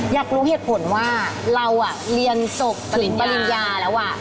อยากรู้เหตุผลว่าเราเรียนจบปริญญาแล้ว